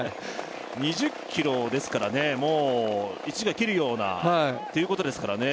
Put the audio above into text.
２０ｋｍですからねもう１時間切るようなっていうことですからね